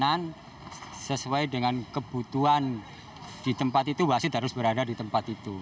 dan sesuai dengan kebutuhan di tempat itu wasit harus berada di tempat itu